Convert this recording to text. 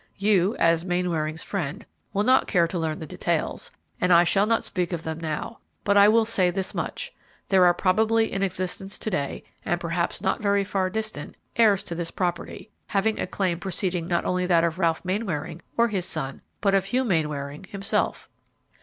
You, as Mainwaring's friend, will not care to learn the details, and I shall not speak of them now, but I will say this much: there are probably in existence to day, and perhaps not very far distant, heirs to this property, having a claim preceding not only that of Ralph Mainwaring or his son, but of Hugh Mainwaring himself."